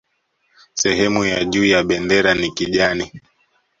Sehemu ya juu ya bendera ni kijani